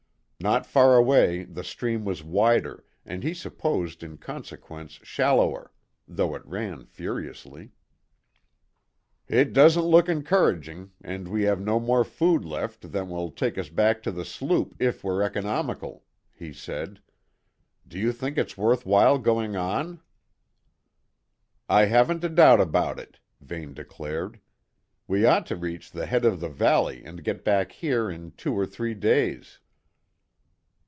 Not far away the stream was wider and he supposed in consequence shallower, though it ran furiously. "It doesn't look encouraging, and we have no more food left than will take us back to the sloop if we're economical," he said. "Do you think it's worth while going on?" "I haven't a doubt about it," Vane declared. "We ought to reach the head of the valley and get back here in two or three days."